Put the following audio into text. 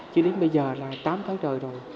chứ đến bây giờ là tám tháng rồi